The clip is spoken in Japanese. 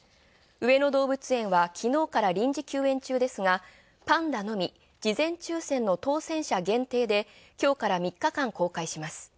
上野動物園は昨日から臨時休園中ですがパンダのみ、事前抽選の当選者限定で今日から３日間公開します。